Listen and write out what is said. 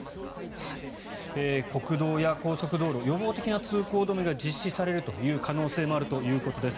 国道や高速道路予防的な通行止めが実施されるという可能性もあるということです。